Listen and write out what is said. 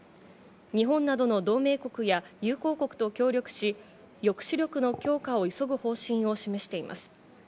日本などの同盟国や友好国と協力し、抑止力の強化を急ぐ方針を示しています。